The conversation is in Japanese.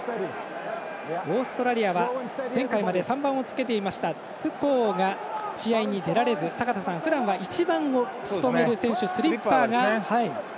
オーストラリアは、前回まで３番をつけていましたトゥポウが試合に出られずふだんは１番を務める選手スリッパーが。